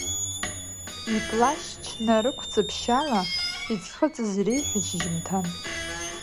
Иплашьч нарықәҵа ԥшьала, иӡхыҵыз иреиҳәеит шьжьымҭан…